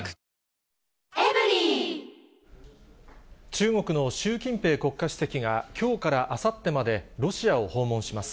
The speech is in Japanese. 中国の習近平国家主席が、きょうからあさってまで、ロシアを訪問します。